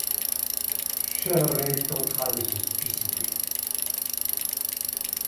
Shirley tentera de se suicider.